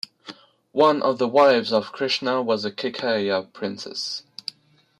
One of the wives of Krishna was a Kekaya princess.